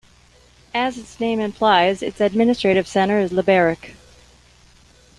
As its name implies, its administrative center is Liberec.